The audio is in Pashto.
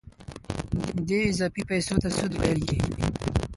دې اضافي پیسو ته سود ویل کېږي